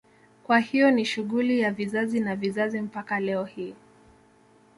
Kwa hiyo ni shughuli ya vizazi na vizazi mpaka leo hii